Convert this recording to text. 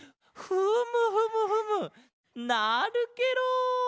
フムフムフムなるケロ！